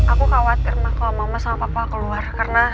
aku khawatir mah kalau mama sama papa keluar